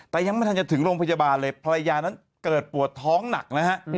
แต่ยังไม่ทันจะถึงโรงพยาบาลเลยภรรยานั้นเกิดปวดท้องหนักนะฮะ